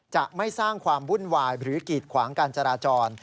จะไม่สร้างความวุ่นวายหรือกีดขวางการจราจร